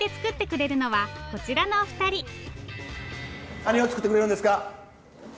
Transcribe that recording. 何を作ってくれるんですか？